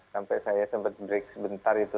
sampai saya sempat break sebentar itu